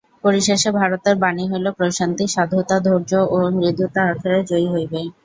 পরিশেষে ভারতের বাণী হইল প্রশান্তি সাধুতা ধৈর্য ও মৃদুতা আখেরে জয়ী হইবেই।